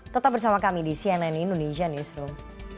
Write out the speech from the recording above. tetap bersama kami di cnn indonesia newsroom